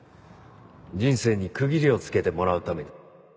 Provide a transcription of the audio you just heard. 人生に区切りをつけてもらうために。